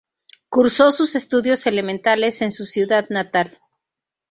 Cursó sus estudios elementales en su ciudad natal.